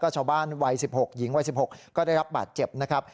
ชาวบ้านวัย๑๖หญิงวัย๑๖ก็ได้รับบาดเจ็บนะครับ